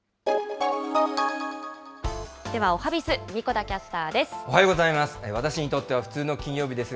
ではおはＢｉｚ、神子田キャスターです。